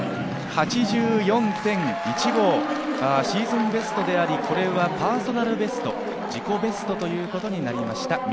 シーズンベストであり、これはパーソナルベスト、自己ベストということになりました。